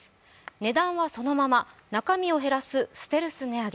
値段はそのまま、中身を減らすステルス値上げ。